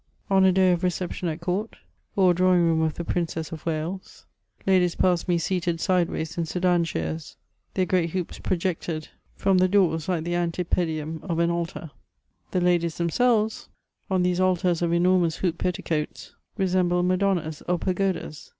On a day of recep tion at court, or a drawing room of the princess of Wales, ladies passed me seated sideways in sedan chairs ; their 'great hoops projected from the doors like the antepedium of an altar. The CHATEAUBBIAND. 441 ladies themselves, on these altars of enormous hooped petticoats, resemhled Madonnas or pagodas.